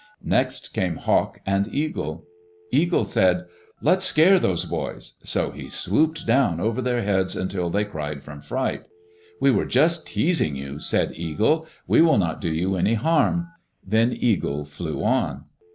Next came Hawk and Eagle. Eagle said, "Let's scare those boys." So he swooped down over their heads until they cried from fright. "We were just teasing you," said Eagle. "We will not do you any harm." Then Eagle flew on.